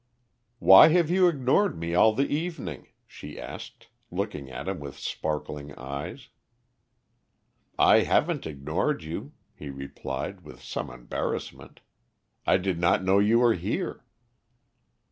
"Why have you ignored me all the evening?" she asked, looking at him with sparkling eyes. "I haven't ignored you," he replied, with some embarrassment; "I did not know you were here."